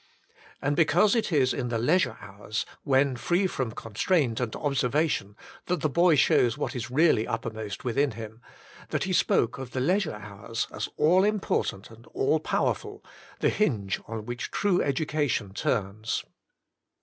And because it is in the leisure hours, when free from constraint and observation, that the boy shows what is really uppermost within him, that he spoke of the leisure hours as all important and all powerful, the hinge on which true education turns.